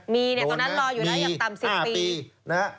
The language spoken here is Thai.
มีตอนนั้นรออยู่ได้อย่างต่ำ๑๐ปี